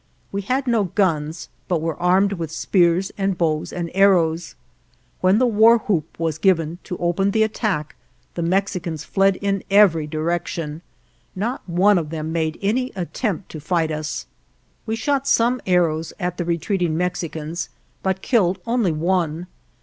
We had no guns, but were armed with spears and bows and arrows. When the war whoop was given to open the attack the Mexicans fled in every direction; not one of them made any attempt to fight us. We shot some arrows at the retreating Mexicans, but killed only one.